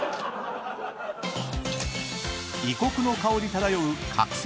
［異国の香り漂う「覚醒」